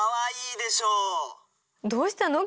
どうしたの？